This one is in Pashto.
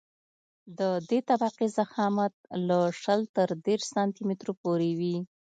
د دې طبقې ضخامت له شل تر دېرش سانتي مترو پورې وي